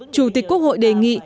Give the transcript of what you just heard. chủ tịch quốc hội đề nghị